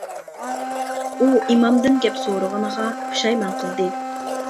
ئۇ ئىمامدىن گەپ سورىغىنىغا پۇشايمان قىلدى.